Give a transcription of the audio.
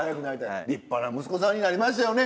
立派な息子さんになりましたよね。